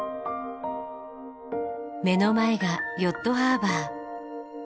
目の前がヨットハーバー。